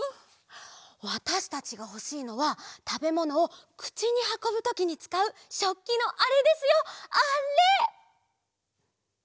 わたしたちがほしいのはたべものをくちにはこぶときにつかうしょっきのあれですよあれ！